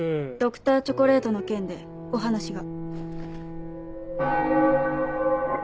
Ｄｒ．チョコレートの件でお話が。